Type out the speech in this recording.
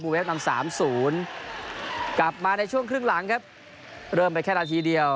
เวฟนำสามศูนย์กลับมาในช่วงครึ่งหลังครับเริ่มไปแค่นาทีเดียว